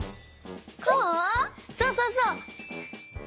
そうそうそう！